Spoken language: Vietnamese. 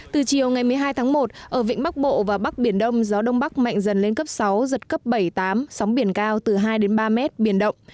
từ chiều ngày một mươi hai tháng một ở vịnh bắc bộ và bắc biển đông gió đông bắc mạnh dần lên cấp sáu giật cấp bảy tám sóng biển cao từ hai ba mét biển động